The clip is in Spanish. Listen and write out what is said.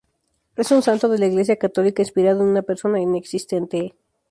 Es un santo de la iglesia católica inspirado en una persona inexistente.